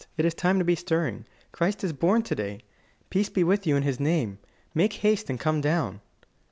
It is time to be stirring. Christ is born today. Peace be with you in His name. Make haste and come down!"